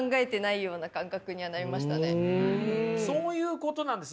そういうことなんです。